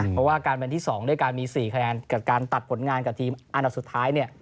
เพราะว่าการเป็นที่๒มี๔แค่งานแต่การตัดฝนงานกับทีมรุ่นอันตราสุดท้าย